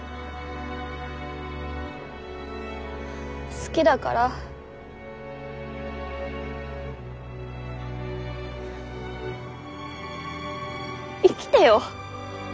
好きだから生きてよ